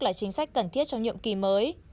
là chính sách cần thiết trong nhậm kỳ mới